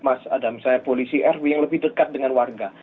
ada misalnya polisi rw yang lebih dekat dengan warga